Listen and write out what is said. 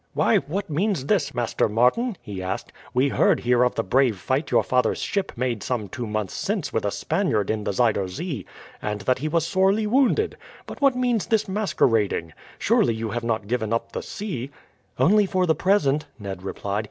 "Why, what means this, Master Martin?" he asked. "We heard here of the brave fight your father's ship made some two months since with a Spaniard in the Zuider Zee, and that he was sorely wounded. But what means this masquerading? Surely you have not given up the sea?" "Only for the present," Ned replied.